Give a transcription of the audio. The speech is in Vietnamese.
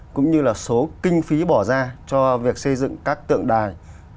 cũng như là số kinh phí bỏ ra cho việc xây dựng các tượng đài